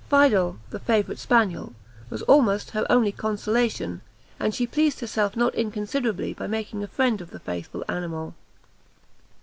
Fidel, the favourite spaniel, was almost her only consolation, and she pleased herself not inconsiderably by making a friend of the faithful animal.